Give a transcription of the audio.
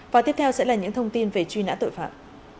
và tiếp theo sẽ là những thông tin về truy nã tội phạm